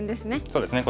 そうですね。